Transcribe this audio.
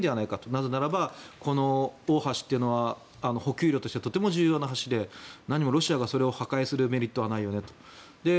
なぜなら、この大橋は補給路としてとても重要な橋でロシアが破壊するメリットはないよねと。